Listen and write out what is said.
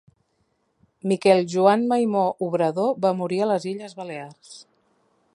Miquel Joan Maimó Obrador va morir a les Illes Balears.